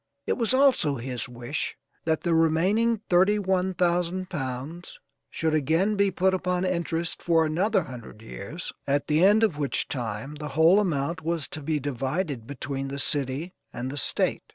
It was also his wish that the remaining thirty one thousand pounds should again be put upon interest for another hundred years, at the end of which time the whole amount was to be divided between the city and the State.